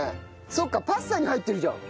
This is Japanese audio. そっかパスタに入ってるじゃん。